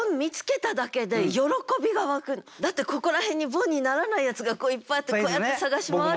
だから私だってここら辺にボンにならないやつがいっぱいあってこうやって探し回る。